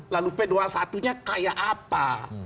lalu p dua puluh satu nya kayak apa